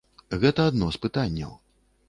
Гэта адно з пытанняў.